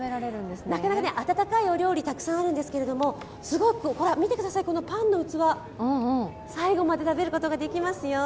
温かいお料理、たくさんあるんですけど、すごく、ほら見てくださいパンの器、最後まで食べることができますよ。